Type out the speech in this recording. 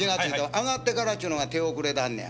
あがってからっちゅうのが手遅れなんねや。